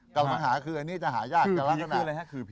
กระปังหาคืออันนี้จะหายากกระลักษณะ